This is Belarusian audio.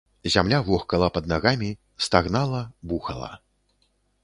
Зямля вохкала пад нагамі, стагнала, бухала.